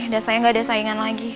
dan saya gak ada saingan lagi